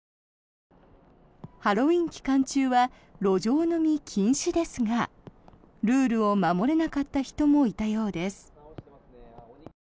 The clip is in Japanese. ハロウィーン期間中は路上飲み禁止ですがルールを守れなかった人もいたようです。